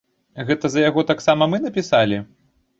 Гэта за яго таксама мы напісалі?